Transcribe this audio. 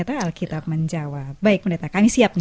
mari berjalan ke sion